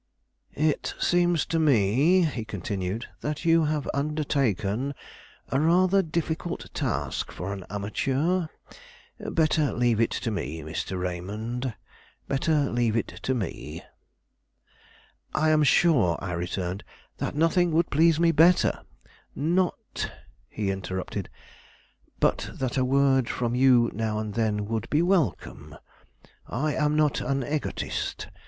"It seems to me," he continued, "that you have undertaken a rather difficult task for an amateur. Better leave it to me, Mr. Raymond; better leave it to me." "I am sure," I returned, "that nothing would please me better " "Not," he interrupted, "but that a word from you now and then would be welcome. I am not an egotist.